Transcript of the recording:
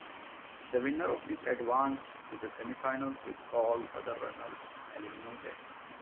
The winner of each advanced to the semifinals, with all other runners eliminated.